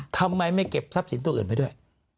ทำไมไม่เก็บทรัพย์สินตัวอื่นไปด้วย